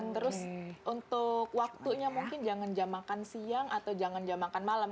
terus untuk waktunya mungkin jangan jam makan siang atau jangan jam makan malam